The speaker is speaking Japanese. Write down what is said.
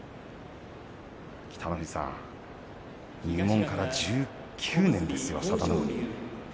北の富士さん、入門から１９年ですよ佐田の海。